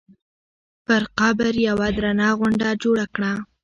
پر قبر یوه درنه غونډه جوړه کړه.